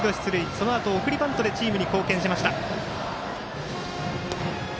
そのあと、送りバントでチームに貢献しました。